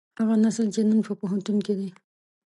هغه نسل چې نن په پوهنتون کې دی.